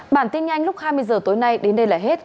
bản tin nhanh lúc hai mươi h tối nay đến đây là hết